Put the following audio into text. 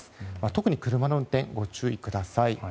特に車の運転、ご注意ください。